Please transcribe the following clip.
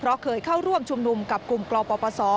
เพราะเคยเข้าร่วมชุมนุมกับกลุ่มกปศ